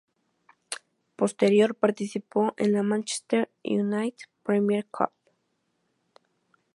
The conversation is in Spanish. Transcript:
Posterior, participó en la Manchester United Premier Cup.